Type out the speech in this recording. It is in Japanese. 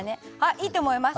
いいと思います。